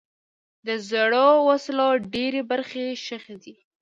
د زړو وسلو ډېری برخې ښخي دي.